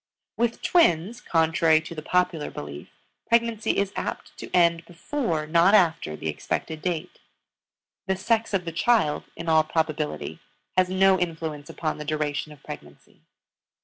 With twins, contrary to the popular belief, pregnancy is apt to end before, not after, the expected date. The sex of the child, in all probability, has no influence upon the duration of pregnancy.